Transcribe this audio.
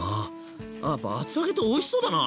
あやっぱ厚揚げっておいしそうだな。